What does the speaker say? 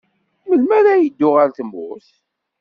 Melmi ara yeddu ɣer tmurt?